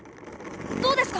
どうですか？